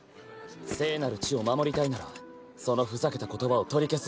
聖なる地を守りたいならそのふざけた言葉を取り消すんだな。